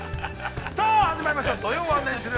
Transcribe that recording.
さあ始まりました、「土曜はナニする！？」。